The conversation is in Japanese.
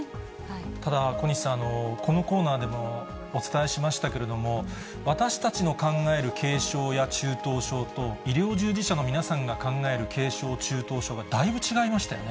ただ、小西さん、このコーナーでもお伝えしましたけれども、私たちの考える軽症や中等症と、医療従事者の皆さんが考える軽症・中等症がだいぶ違いましたよね。